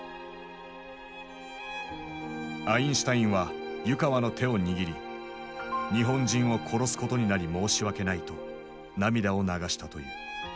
アインシュタインは湯川の手を握り「日本人を殺すことになり申し訳ない」と涙を流したという。